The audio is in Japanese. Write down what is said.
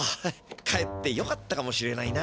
かえってよかったかもしれないな。